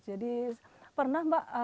jadi pernah mbak